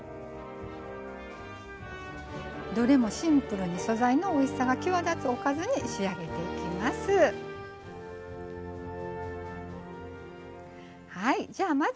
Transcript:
どれもシンプルに素材のおいしさが際立つおかずに仕上げていきます。